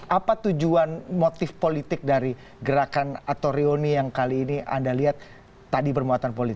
apa tujuan motif politik dari gerakan atorioni yang kali ini anda lihat tadi bermuatan politik